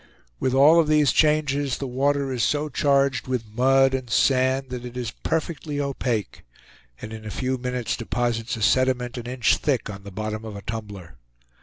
With all these changes, the water is so charged with mud and sand that it is perfectly opaque, and in a few minutes deposits a sediment an inch thick in the bottom of a tumbler.